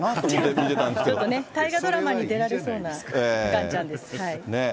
ちょっとね、大河ドラマに出られそうなガンちゃんです。